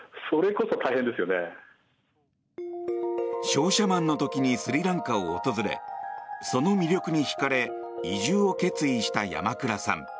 商社マンの時にスリランカを訪れその魅力に引かれ移住を決意した山倉さん。